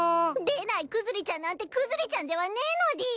出ないクズリちゃんなんてクズリちゃんではねいのでぃす！